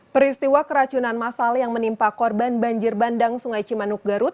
peristiwa keracunan masal yang menimpa korban banjir bandang sungai cimanuk garut